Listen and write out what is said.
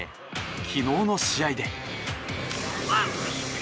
昨日の試合で。